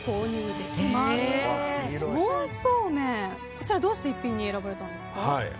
こちらはどうして逸品に選ばれたんですか？